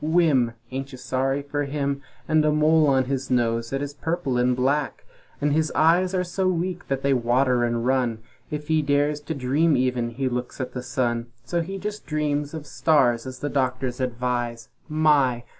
Whimm! Ain't you sorry for him? And a mole on his nose that is purple and black; And his eyes are so weak that they water and run If he dares to dream even he looks at the sun, So he jes' dreams of stars, as the doctors advise My!